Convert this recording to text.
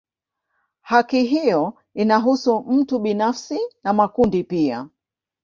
Haki hiyo inahusu mtu binafsi na makundi pia.